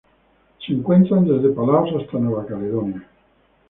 Se encuentran desde Palaos hasta Nueva Caledonia.